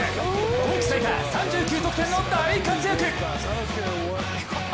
今季最多３９得点の大活躍！